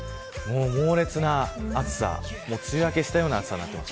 猛烈な暑さ梅雨明けしたような暑さになっています。